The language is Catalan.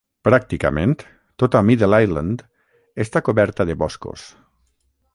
Pràcticament tota Middle Island està coberta de boscos.